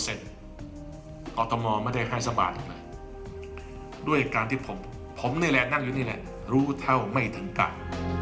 ออร์ตมอลไม่ได้ให้สบายอีกนะด้วยการที่ผมนั่งอยู่นี่แหละรู้เท่าไม่ถึงกล้าม